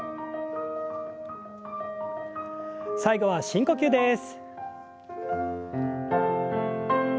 最後は深呼吸です。